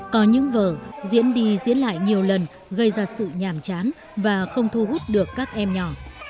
có những vở diễn đi diễn lại nhiều lần gây ra sự nhàm chán và không thu hút được các em nhỏ